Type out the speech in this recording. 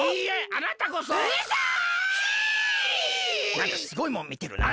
なんかすごいもんみてるな。